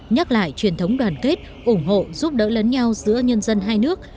nhắc lại truyền thống đoàn kết ủng hộ giúp đỡ lẫn nhau giữa nhân dân hai nước